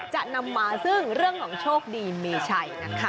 จะนำมาซึ่งเรื่องของโชคดีมีชัยนะคะ